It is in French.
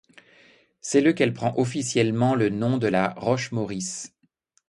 C'est le qu'elle prend officiellement le nom de La Roche-Maurice.